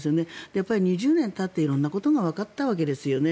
やっぱり２０年たって色んなことがわかったわけですよね。